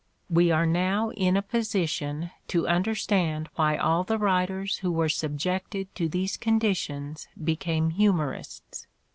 We are now in a position to understand why all the writers who were subjected to these conditions became humorists.